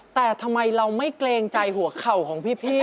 แต่ทำไมเราไม่เกรงใจหัวเข่าของพี่เลยสักตอนเดียว